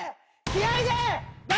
気合いだ！